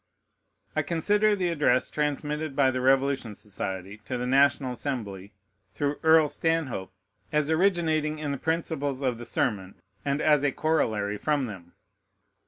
I consider the address transmitted by the Revolution Society to the National Assembly, through Earl Stanhope, as originating in the principles of the sermon, and as a corollary from them.